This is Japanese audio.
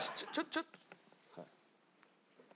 ちょっと。